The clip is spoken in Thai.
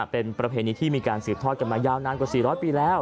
เป็นประเพณีที่มีการสืบทอดกันมายาวนานกว่า๔๐๐ปีแล้ว